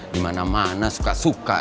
dimana mana suka suka